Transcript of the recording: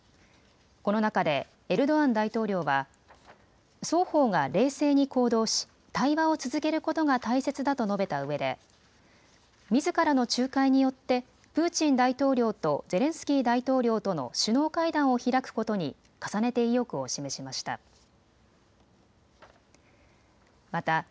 この中でエルドアン大統領は双方が冷静に行動し対話を続けることが大切だと述べたうえでみずからの仲介によってプーチン大統領とゼレンスキー大統領との首脳会談を開くことに重ねて意欲を示しました。